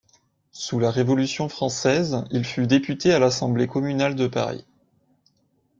Sous la Révolution française, il fut député à l'Assemblée communale de Paris.